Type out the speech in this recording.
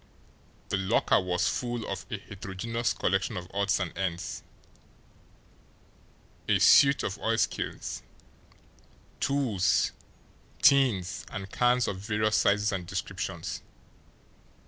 The locker was full of a heterogeneous collection of odds and ends a suit of oilskins, tools, tins, and cans of various sizes and descriptions.